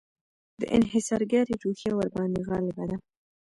د انحصارګري روحیه ورباندې غالبه ده.